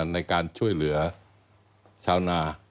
ในการช่วยเหลือชาวนา